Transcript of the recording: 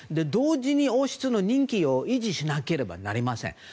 同時に王室の人気を維持しなければなりません。